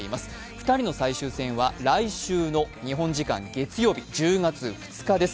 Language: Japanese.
２人の最終戦は来週の日本時間月曜日、１０月２日です。